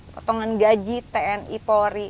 potongan gaji tni polri